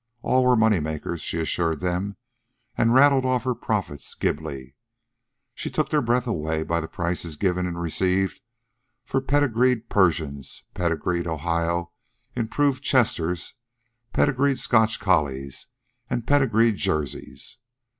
All were moneymakers, she assured them, and rattled off her profits glibly. She took their breaths away by the prices given and received for pedigreed Persians, pedigreed Ohio Improved Chesters, pedigreed Scotch collies, and pedigreed Jerseys.